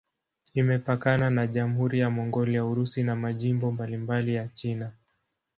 Imepakana na Jamhuri ya Mongolia, Urusi na majimbo mbalimbali ya China.